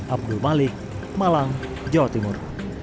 abdul malik malang jawa timur